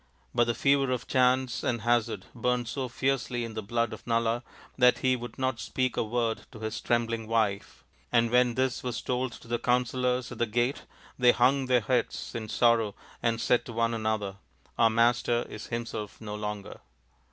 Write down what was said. But the fever of chance and hazard burnt so fiercely in the blood of Nala that he would not speak a word to his trembling wife ; and when this was told to the counsellors at the gate they hung their heads in sorrow and said to one another, " Our master is himself no longer."